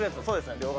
そうですね。